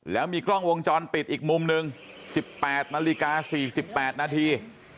แล้วมีกล้องวงจรปิดอีกมุมหนึ่ง๑๘นาฬิกา๔๘นาที